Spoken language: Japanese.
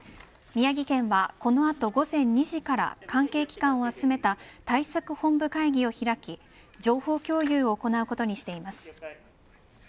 宮城県はこの後、午前２時から関係機関を集めた対策本部会議を開き情報共有を行うことにしています。